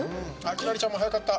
輝星ちゃんも早かった。